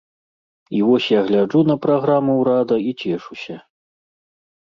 І я вось гляджу на праграму ўрада і цешуся.